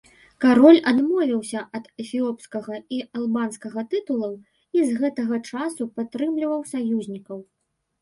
Кароль адмовіўся ад эфіопскага і албанскага тытулаў і з гэтага часу падтрымліваў саюзнікаў.